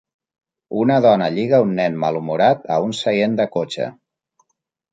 Una dona lliga un nen malhumorat a un seient de cotxe.